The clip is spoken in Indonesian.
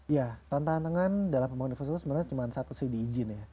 ya tantangan dalam pembangunan infrastruktur itu sebenarnya cuma satu sih di izin ya